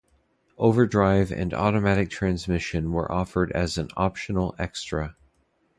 Overdrive and automatic transmission were offered as an optional extra.